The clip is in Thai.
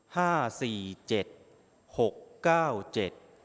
ห้าสี่เจ็ดหกเก้าเจ็ด